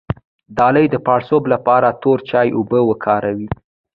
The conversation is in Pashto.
د لۍ د پړسوب لپاره د تور چای اوبه وکاروئ